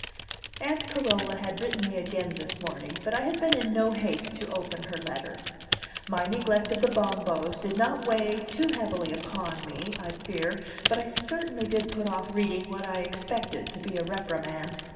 Aunt Carola had written me again this morning, but I had been in no haste to open her letter; my neglect of the Bombos did not weigh too heavily upon me, I fear, but I certainly did put off reading what I expected to be a reprimand.